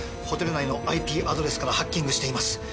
ホテル内のＩＰアドレスからハッキングしています。